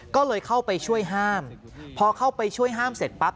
ก็เลยเข้าไปช่วยห้ามพอเข้าไปช่วยห้ามเสร็จปั๊บ